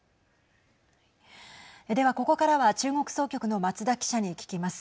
では、ここからは中国総局の松田記者に聞きます。